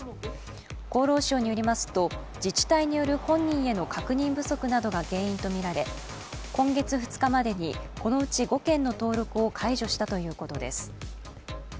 厚労省によりますと自治体による本人への確認不足などが原因とみられ今月２日までにこのうち５件の登録を解除したということです。